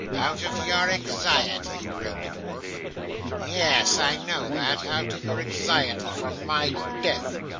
'Out of your anxiety,' grinned the dwarf. 'Yes, I know that out of your anxiety for my death.